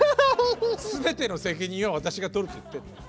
全ての責任は私が取るって言ってんの。